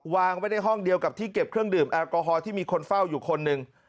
วางไว้ในห้องเดียวกับที่เก็บเครื่องดื่มแอลกอฮอลที่มีคนเฝ้าอยู่คนหนึ่ง